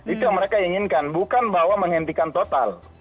itu yang mereka inginkan bukan bahwa menghentikan total